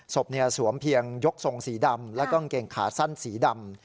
ศพเนี่ยสวมเพียงยกทรงสีดำแล้วก็เงินเกงขาสั้นสีดำ